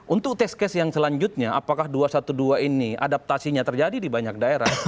untuk test case yang selanjutnya apakah dua ratus dua belas ini adaptasinya terjadi di banyak daerah